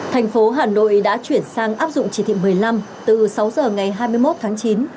thành phố hà nội đã chuyển sang áp dụng chỉ thị một mươi năm từ sáu giờ ngày hai mươi một tháng chín